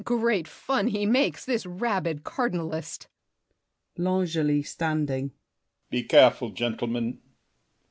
Great fun he makes, this rabid cardinalist! L'ANGELY (standing). Be careful, gentlemen!